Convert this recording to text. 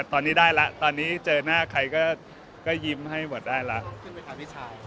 ตอนนี้ได้แล้วตอนนี้เจอหน้าใครก็ยิ้มให้หมดได้แล้ว